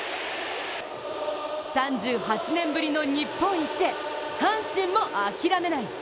３８年ぶりの日本一へ、阪神も諦めない。